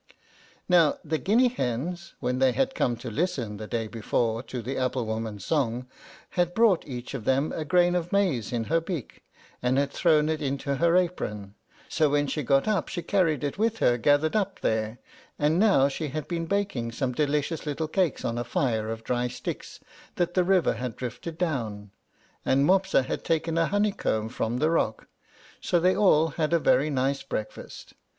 Now the Guinea hens, when they had come to listen, the day before, to the apple woman's song, had brought each of them a grain of maize in her beak, and had thrown it into her apron; so when she got up she carried it with her gathered up there, and now she had been baking some delicious little cakes on a fire of dry sticks that the river had drifted down, and Mopsa had taken a honeycomb from the rock, so that they all had a very nice breakfast.